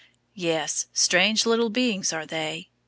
Yes, strange little beings are they.